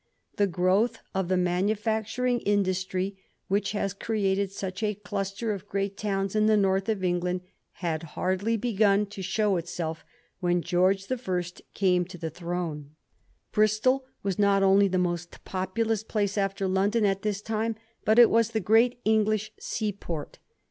The growth of the manu facturing industry, which has created such a cluster of great towns in the North of England, had hardly begun to show itself when George the First came to the throne. Bristol waa not only the most populous place after London at this time, but it was the great English seaport.